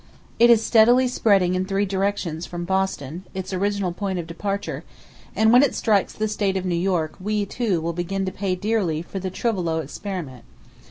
It is steadily spreading in three directions from Boston, its original point of departure, and when it strikes the State of New York, we, too, will begin to pay dearly for the Trouvclot experiment.